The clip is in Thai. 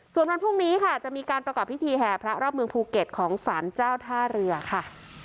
ส่วนวันพรุ่งนี้ค่ะจะมีการประกอบพิธีแห่พระรอบเมืองภูเก็ตของสารเจ้าท่าเรือค่ะ